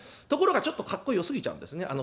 ところがちょっとかっこよすぎちゃうんですね。